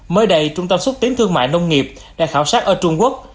mới đây trung tâm xuất tiến thương mại nông nghiệp đã khảo sát ở trung quốc